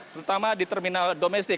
terutama di terminal domestik